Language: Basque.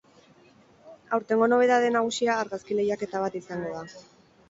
Aurtengo nobedade nagusia argazki lehiaketa bat izango da.